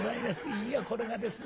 いやこれがですね